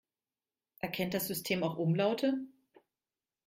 Erkennt das System auch Umlaute?